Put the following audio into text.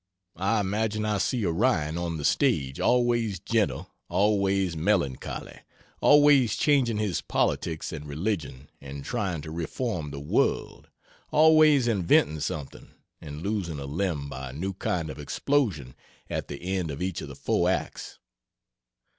I imagine I see Orion on the stage, always gentle, always melancholy, always changing his politics and religion, and trying to reform the world, always inventing something, and losing a limb by a new kind of explosion at the end of each of the four acts.